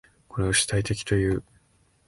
これを主体的という。